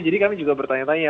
jadi kami juga bertanya tanya